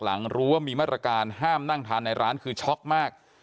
หลังรู้ว่ามีมาตรการห้ามนั่งทานในร้านคือช็อกมาก